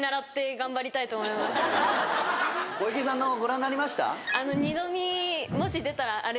小池さんのご覧になりました？